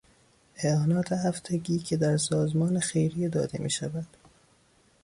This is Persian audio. اعانات هفتگی که در سازمان خیریه داده میشود